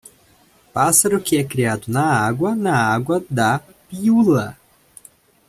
Pássaro que é criado na água, na água da piula.